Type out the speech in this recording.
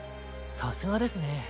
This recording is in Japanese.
さすがですね。